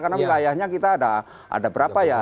karena wilayahnya kita ada berapa ya